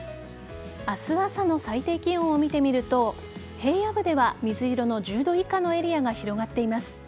明日朝の最低気温を見てみると平野部では水色の１０度以下のエリアが広がっています。